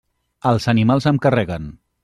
Els animals em carreguen.